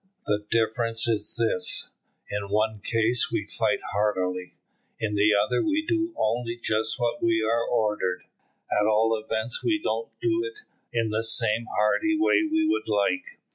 The difference is this, in one case we fight heartily, in the other we do only just what we are ordered; at all events we don't do it in the same hearty way we would like."